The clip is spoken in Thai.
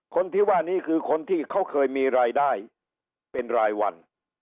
คนที่ว่านี้คือคนที่เขาเคยมีรายได้เป็นรายวัน